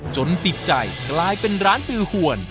จนติดใจกลายเป็นร้านตือหวน